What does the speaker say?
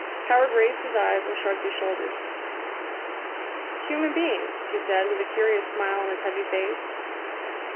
Howard raised his eyes and shrugged his shoulders. "Human beings," he said, with a curious smile on his heavy face.